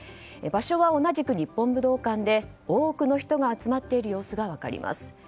場所は同じく日本武道館で多くの人が集まっている様子が分かります。